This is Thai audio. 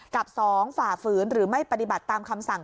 กับ๒ฝ่าฝืนหรือไม่ปฏิบัติตามคำสั่ง